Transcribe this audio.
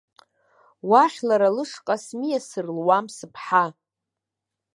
Уахь, лара лышҟа смиасыр луам сыԥҳа.